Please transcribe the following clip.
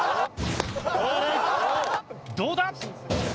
どうだ？